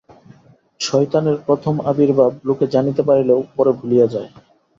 শয়তানের প্রথম আবির্ভাব লোকে জানিতে পারিলেও পরে ভুলিয়া যায়।